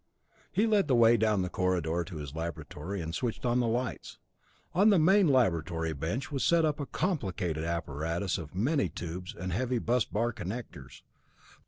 He led the way down the corridor to his laboratory, and switched on the lights. On the main laboratory bench was set up a complicated apparatus of many tubes and heavy bus bar connectors.